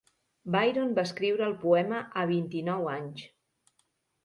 Byron va escriure el poema a vint-i-nou anys.